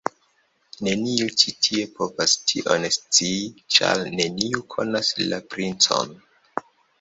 Neniu ĉi tie povas tion scii, ĉar neniu konas la princon!